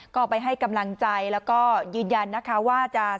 ก็ไปให้กำลังใจแล้วก็ยืนยันนะคะว่าจะ